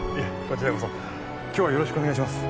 こちらこそ今日はよろしくお願いします